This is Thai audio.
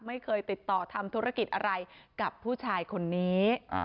ไม่เคยติดต่อทำธุรกิจอะไรกับผู้ชายคนนี้